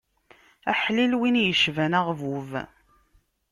Aḥlil win icban aɣbub.